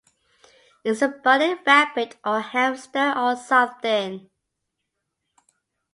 It's a bunny rabbit or a hampster or something.